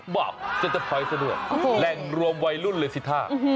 บอกซิตเตอร์พอยต์สะดวกแรงรวมวัยรุ่นเลยสิท่า